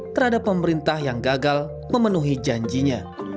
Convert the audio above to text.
terhadap pemerintah yang gagal memenuhi janjinya